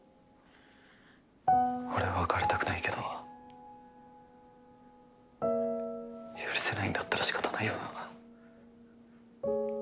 俺は別れたくないけど許せないんだったらしかたないよな。